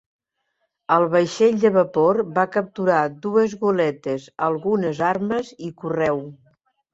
El vaixell de vapor va capturar dues goletes, algunes armes i correu.